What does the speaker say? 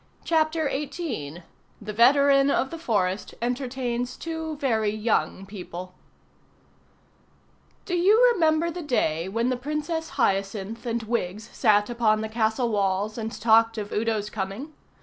CHAPTER XVIII THE VETERAN OF THE FOREST ENTERTAINS TWO VERY YOUNG PEOPLE Do you remember the day when the Princess Hyacinth and Wiggs sat upon the castle walls and talked of Udo's coming?